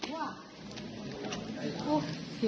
ว้าวโอ๊ยเสียว